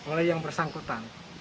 oleh yang bersangkutan